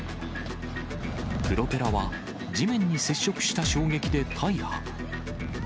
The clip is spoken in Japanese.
プロペラは地面に接触した衝撃で大破。